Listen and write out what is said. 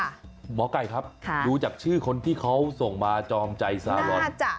หมอไก่ครับดูจากชื่อคนที่เขาส่งมาจองใจซาลอน